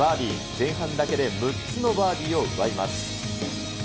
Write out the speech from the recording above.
前半だけで６つのバーディーを奪います。